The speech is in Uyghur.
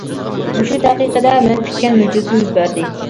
مۇشۇ دەقىقىدە مەن كۈتكەن مۆجىزە يۈز بەردى.